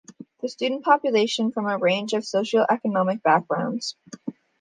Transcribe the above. The student population is from a range of socioeconomic backgrounds.